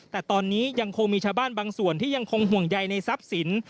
แต่ตอนนี้ยังคงมีชาวบ้านบางส่วนที่ยังคงห่วงใยในทรัพย์สิน